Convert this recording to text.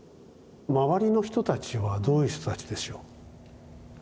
周りの人たちはどういう人たちでしょう。